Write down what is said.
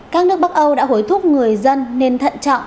các nước bắc âu đã hối thúc người dân nên thận trọng